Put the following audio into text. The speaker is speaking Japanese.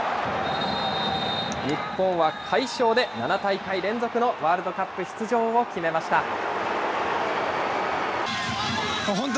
日本は快勝で７大会連続のワールドカップ出場を決めました。